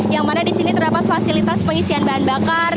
yang mana di sini terdapat fasilitas pengisian bahan bakar